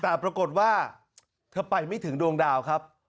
แต่ปรากฏว่าเธอไปไม่ถึงดวงดาวครับ